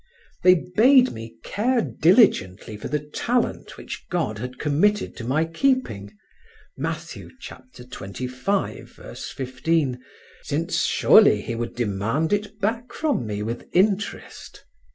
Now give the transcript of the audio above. They bade me care diligently for the talent which God had committed to my keeping (Matthew, xxv, 15), since surely He would demand it back from me with interest.